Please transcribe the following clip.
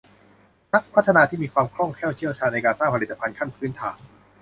นักพัฒนาที่มีความคล่องแคล่วเชี่ยวชาญในการสร้างผลิตภัณฑ์ขั้นพื้นฐาน